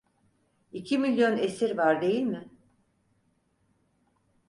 İki milyon esir var değil mi?